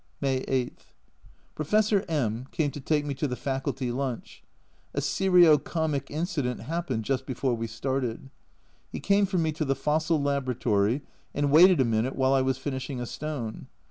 May 8. Professor M came to take me to the Faculty lunch. A serio comic incident happened just before we started. He came for me to the fossil laboratory, and waited a minute while I was finishing a stone.